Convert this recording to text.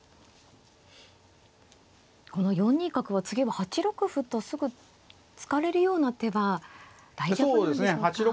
この４二角は次は８六歩とすぐ突かれるような手は大丈夫なんでしょうか。